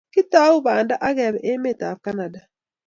Kitau panda akebe emet ab Canada.